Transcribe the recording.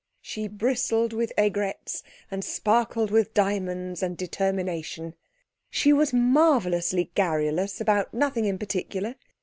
She bristled with aigrettes and sparkled with diamonds and determination. She was marvellously garrulous about nothing in particular.